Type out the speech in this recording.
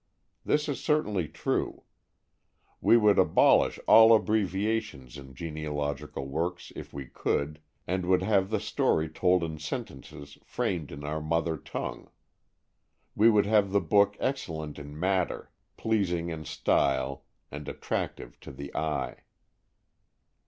This is certainly true. We would abolish all abbreviations in genealogical works if we could, and would have the story told in sentences framed in our mother tongue. We would have the book excellent in matter, pleasing in style and attractive to the eye.